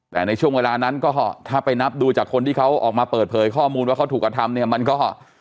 แต่ในช่วงเวลานั้นก็ถ้าไปนับดูจากคนที่เขาออกมาเปิดเผยข้อมูลว่าเขาถูกกระทำเนี่ยมันก็